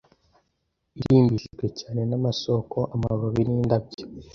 Irimbishijwe cyane n'amasoko amababi n'indabyo